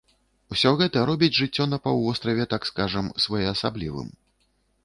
Усё гэта робіць жыццё на паўвостраве, так скажам, своеасаблівым.